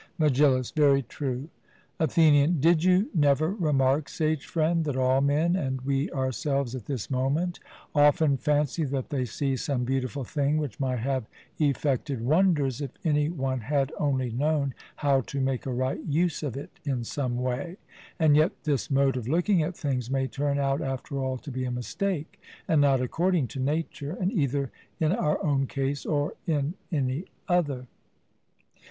MEGILLUS: Very true. ATHENIAN: Did you never remark, sage friend, that all men, and we ourselves at this moment, often fancy that they see some beautiful thing which might have effected wonders if any one had only known how to make a right use of it in some way; and yet this mode of looking at things may turn out after all to be a mistake, and not according to nature, either in our own case or in any other?